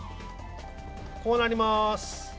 こうなります。